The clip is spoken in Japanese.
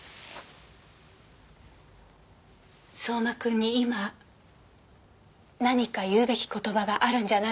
相馬君に今何か言うべき言葉があるんじゃないですか？